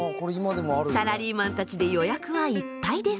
サラリーマンたちで予約はいっぱいです。